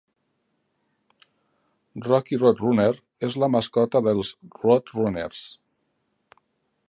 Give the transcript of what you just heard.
Rocky RoadRunner és la mascota dels RoadRunners.